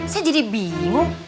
saya jadi bingung